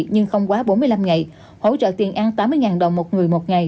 bốn mươi năm ngày hỗ trợ tiền ăn tám mươi đồng một người một ngày